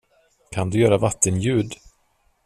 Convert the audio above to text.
Kan du göra vattenljud?